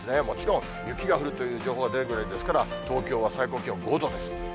もちろん、雪が降るという情報が出るぐらいですから、東京は最高気温５度です。